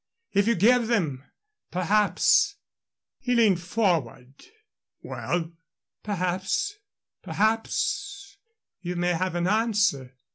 If you give them, perhaps " He leaned forward. "Well?" "Perhaps perhaps you may have an answer."